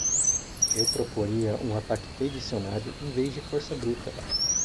Eu proporia um ataque de dicionário em vez de força bruta.